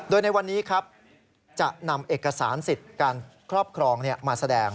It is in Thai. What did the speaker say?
โดยในวันนี้ครับจะนำเอกสารสิทธิ์การครอบครองมาแสดง